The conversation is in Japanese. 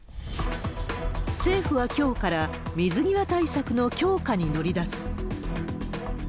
政府はきょうから水際対策の強化に乗り出す。